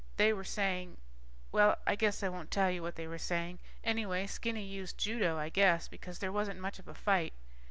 They were saying ... Well, I guess I won't tell you what they were saying. Anyway, Skinny used judo, I guess, because there wasn't much of a fight.